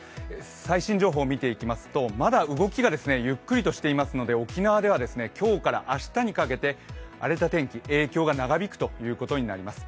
最新情報を見ていきますとまだ動きがゆっくりとしていますので沖縄では今日から明日にかけて荒れた天気、影響が長引くということになります。